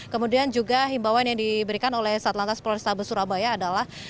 kemudian juga himbauan yang diberikan oleh sat lantas polresa besurabaya adalah